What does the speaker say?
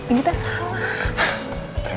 ini teh salah